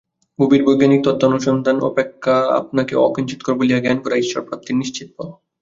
গভীর বৈজ্ঞানিক তত্ত্বানুসন্ধান অপেক্ষা আপনাকে অকিঞ্চিৎকর বলিয়া জ্ঞান করা ঈশ্বরপ্রাপ্তির নিশ্চিত পথ।